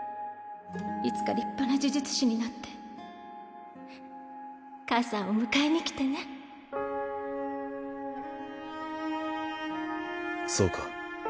いつか立派な呪術師になって母さんを迎えに来てねそうか。